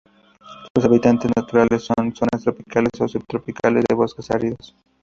Sus hábitats naturales son: zonas tropicales o subtropicales, de bosques áridos.